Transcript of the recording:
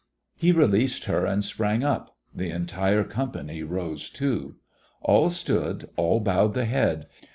He released her and sprang up; the entire company rose too. All stood, all bowed the head.